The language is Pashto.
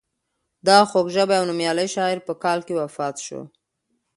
دغه خوږ ژبی او نومیالی شاعر په کال کې وفات شو.